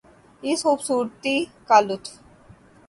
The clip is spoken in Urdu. اس خوبصورتی کا لطف